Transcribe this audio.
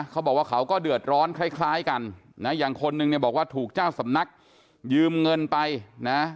เขาบอกว่าเขาก็เดือดร้อนคล้ายกันนะอย่างคนนึงเนี่ยบอกว่าถูกเจ้าสำนักยืมเงินไปนะ